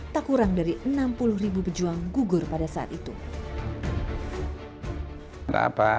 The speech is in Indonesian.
tak kurang dari enam puluh ribu pejuang gugur pada saat itu